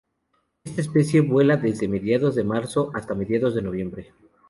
Esta especie vuela desde mediados de marzo hasta mediados de noviembre.